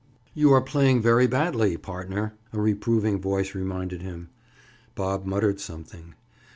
"You are playing very badly, partner," a reproving voice reminded him. Bob muttered something.